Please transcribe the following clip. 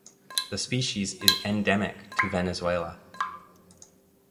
The species is endemic to Venezuela.